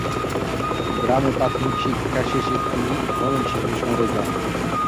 গ্রামে প্রাথমিক শিক্ষা শেষে তিনি ময়মনসিংহ শহরে যান।